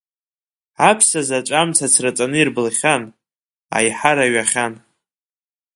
Аԥса Заҵә амца ацраҵаны ирбылхьан, аиҳара ҩахьан.